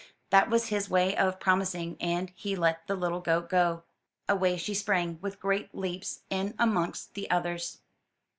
That was his way of promising, and he let the little goat go. Away she sprang with great leaps, in amongst the others.